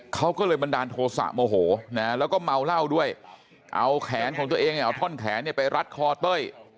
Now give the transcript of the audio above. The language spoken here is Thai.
เขาก็เลยบันดาลโทษะโมโหนะแล้วก็เมาเหล้าด้วยเอาแขนของตัวเองเนี่ยเอาท่อนแขนเนี่ยไปรัดคอเต้ย